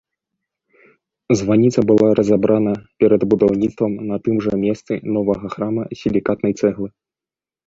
Званіца была разабрана перад будаўніцтвам на тым жа месцы новага храма з сілікатнай цэглы.